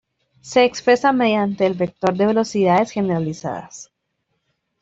Se expresan mediante el "vector de velocidades generalizadas".